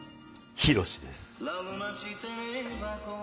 ヒロシです。